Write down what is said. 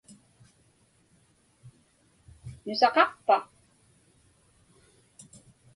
Nusaqaqpa?